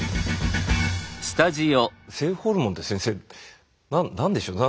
性ホルモンって先生何でしょう？